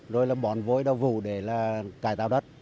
rồi là bón vối đau vụ để là cải tạo đất